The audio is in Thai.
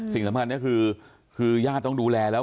สิ่งสำคัญก็คือคือญาติต้องดูแลแล้ว